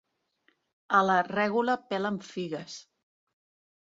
A la Règola pelen figues.